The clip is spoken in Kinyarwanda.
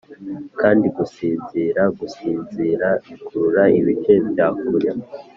kandi gusinzira gusinzira bikurura ibice bya kure: